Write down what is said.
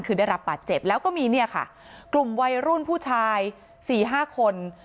คือได้รับปัดเจ็บแล้วก็มีกลุ่มวัยรุ่นผู้ชาย๔๕คน